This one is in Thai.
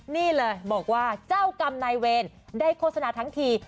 นี่เลยบอกว่าเจ้ากรรมนายเวรได้โฆษณาทั้งที